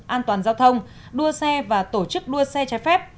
an toàn giao thông đua xe và tổ chức đua xe trái phép